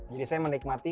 jadi saya menikmati